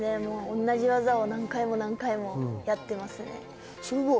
同じ技を何回も何回もやっています。